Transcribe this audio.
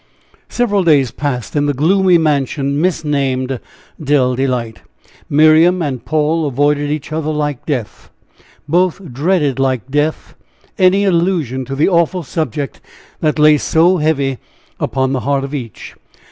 Several days passed in the gloomy mansion misnamed Dell Delight. Miriam and Paul avoided each other like death. Both dreaded like death any illusion to the awful subject that lay so heavy upon the heart of each.